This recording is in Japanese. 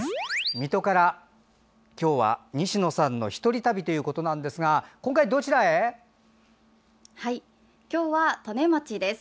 水戸から今日は西野さんの１人旅ということですが今日は利根町です。